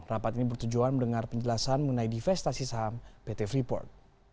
rapat ini bertujuan mendengar penjelasan mengenai divestasi saham pt freeport